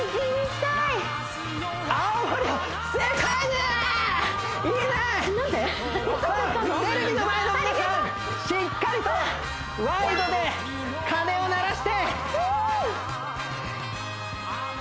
しっかりとワイドで鐘を鳴らしてフーッ！